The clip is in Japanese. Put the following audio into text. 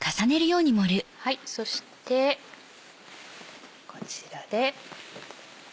そしてこちらで。